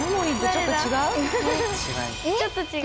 ちょっと違う。